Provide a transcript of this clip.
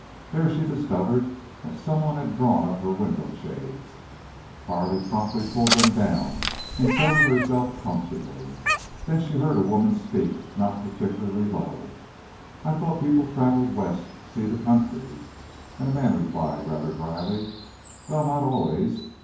There she discovered that some one had drawn up her window shades. Carley promptly pulled them down and settled herself comfortably. Then she heard a woman speak, not particularly low: "I thought people traveled west to see the country." And a man replied, rather dryly. "Wal, not always."